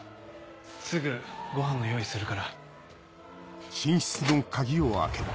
すぐごはんの用意するから。